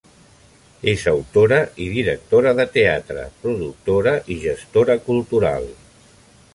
És autora i directora de teatre, productora i gestora cultural.